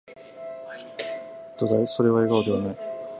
どだい、それは、笑顔でない